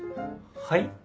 はい？